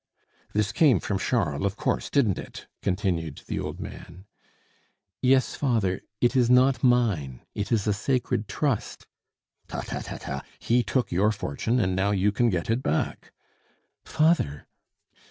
"This came from Charles, of course, didn't it?" continued the old man. "Yes, father; it is not mine. It is a sacred trust." "Ta, ta, ta, ta! He took your fortune, and now you can get it back." "Father!"